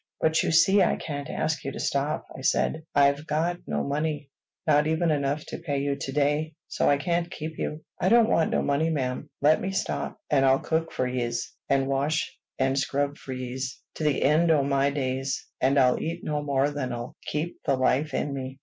"But you see I can't ask you to stop," I said. "I've got no money, not even enough to pay you to day; so I can't keep you." "I don't want no money, ma'am. Let me stop, and I'll cook for yez, and wash and scrub for yez, to the end o' my days. An' I'll eat no more than'll keep the life in me.